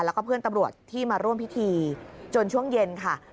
แล้วก็เพื่อนตำรวจที่มาร่วมพิธีจนช่วงเย็นค่ะ